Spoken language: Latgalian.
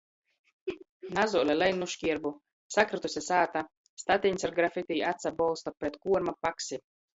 Nazuole lein nu škierbu. Sakrytuse sāta. Statiņs ar grafiti atsabolsta pret kuorma paksi.